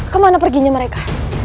kemana perginya mereka